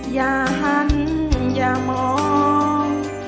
อย่าหันอย่ามอง